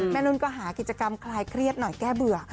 นุ่นก็หากิจกรรมคลายเครียดหน่อยแก้เบื่อ